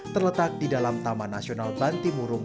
terletak di dalam taman nasional bantimurung